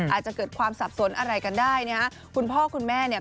อาจจะเกิดความสับสนอะไรกันได้นะฮะคุณพ่อคุณแม่เนี่ย